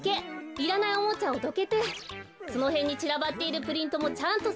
いらないおもちゃをどけてそのへんにちらばっているプリントもちゃんとせいりする！